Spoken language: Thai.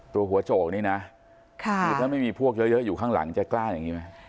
ตัวหัวโจกนี่นะคือถ้าไม่มีพวกเยอะอยู่ข้างหลังจะกล้าอย่างนี้ไหม